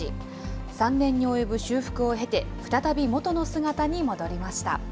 ３年に及ぶ修復を経て、再び元の姿に戻りました。